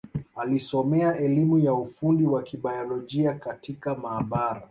Alisomea elimu ya ufundi wa Kibiolojia katika maabara.